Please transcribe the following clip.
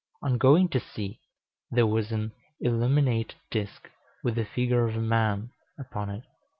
On going to see, there was an illuminated disk, with the figure of a man upon it.